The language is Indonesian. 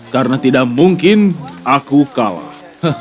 karena tidak mungkin aku kalah